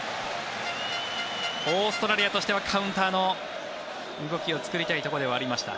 オーストラリアとしてはカウンターの動きを作りたいところではありました。